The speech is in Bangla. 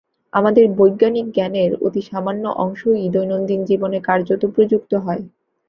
আমাদের বৈজ্ঞানিক জ্ঞানের অতি সামান্য অংশই দৈনন্দিন জীবনে কার্যত প্রযুক্ত হয়।